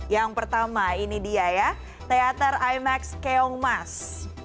yang pertama ini dia ya teater imax keongmas